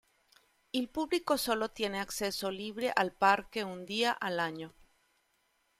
El público solo tiene acceso libre al parque un día al año.